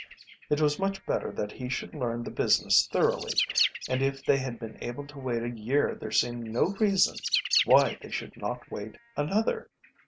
It was much better that he should learn the business thoroughly, and if they had been able to wait a year there seemed no reason why they should not wait another.